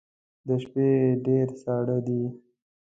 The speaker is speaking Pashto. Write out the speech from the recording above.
د شپې ډیر ساړه دی